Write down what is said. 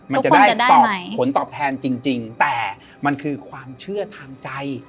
มันจะได้ตอบผลตอบแทนจริงแต่มันคือความเชื่อทางใจ